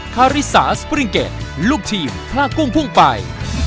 คาริสาสปริงเกดลูกทีมพลากุ้งพุ่งไป